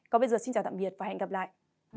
còn bây giờ xin chào tạm biệt và hẹn gặp lại